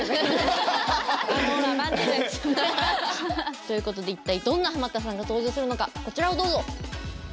ということで一体どんなハマったさんが登場するのかこちらをどうぞ。